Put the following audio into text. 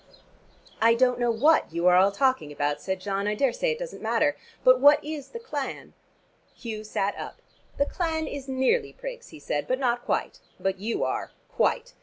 "I don't know what you are all talking about," said John. "I daresay it doesn't matter. But what is the clan?" Hugh sat up. "The clan is nearly prigs," he said, "but not quite. But you are, quite.